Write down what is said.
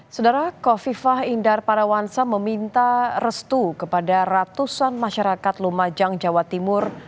saudara kofifah indar parawansa meminta restu kepada ratusan masyarakat lumajang jawa timur